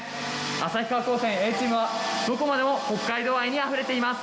旭川高専Ａチームはどこまでも北海道愛にあふれています。